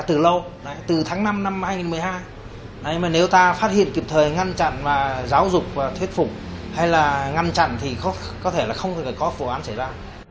từ tháng năm năm hai nghìn một mươi hai nếu ta phát hiện kịp thời ngăn chặn và giáo dục và thuyết phục hay là ngăn chặn thì có thể là không thể có vụ án xảy ra